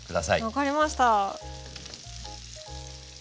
分かりました。